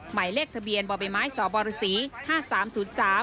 หมายเลขทะเบียนบ่าเบียนสมบศ๕๓๐๓